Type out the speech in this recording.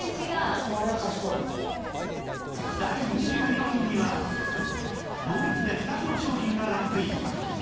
第２４位には同率で２つの商品がランクイン